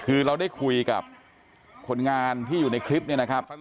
คือเราได้คุยกับคนงานที่อยู่ในคลิปเนี่ยนะครับ